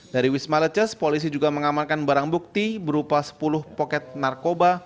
dari wisma leces polisi juga mengamankan barang bukti berupa sepuluh poket narkoba